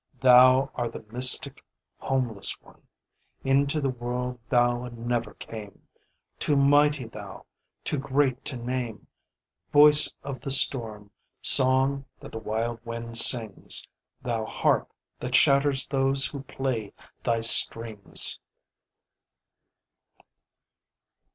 Thou art the mystic homeless One; Into the world Thou never came, Too mighty Thou, too great to name; Voice of the storm, Song that the wild wind sings, Thou Harp that shatters those who play Thy strings!